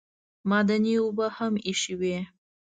معدني اوبه هم ایښې وې.